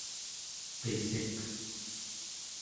qissiq